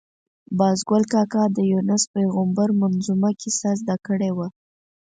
باز ګل کاکا د یونس پېغمبر منظمومه کیسه زده کړې وه.